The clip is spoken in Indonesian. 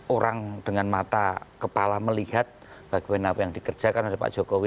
orang dengan mata kepala melihat bagaimana apa yang dikerjakan oleh pak jokowi